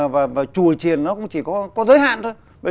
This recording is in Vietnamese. và chùa triền nó cũng chỉ có giới hạn thôi